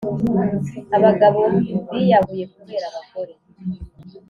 Abagabo biyahuye kubera abagore